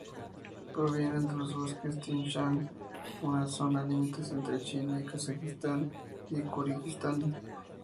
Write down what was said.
Provienen de los bosques Tian Shan; una zona límite entre China, Kazajistán y Kirguistán.